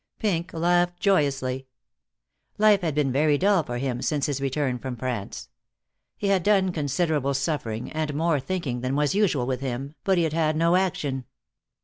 Pink laughed joyously. Life had been very dull for him since his return from France. He had done considerable suffering and more thinking than was usual with him, but he had had no action.